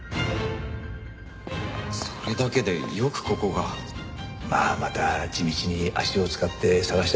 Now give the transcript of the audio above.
それだけでよくここが。まあまた地道に足を使って捜し出したんだろう。